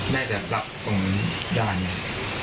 แน่ใจรับตรงด้านนี้